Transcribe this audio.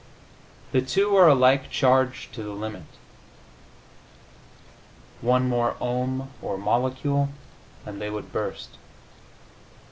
The two are alike charged to the limit; one more ohm, or molecule, and they would burst.